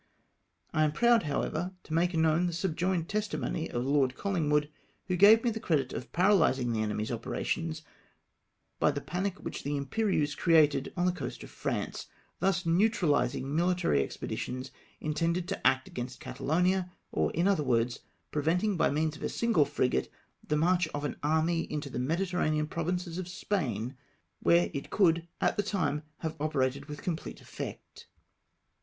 I am proud, however, to make known the subjoined testimony of Lord CoUingwood, who gave me the credit of paralysing the enemy's operations by the panic which the Imperieuse created on the coast of France ; thus neutrahsing mihtary ex peditions intended to act against Catalonia, or, in other words, preventing, by means of a single frigate, the march of an army into the Mediterranean provinces of Spain, where it could at the time have operated 2^8 LETTER OF LORD COLLIXGTVOOD, with complete effect.